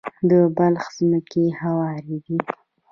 د بلخ ځمکې هوارې دي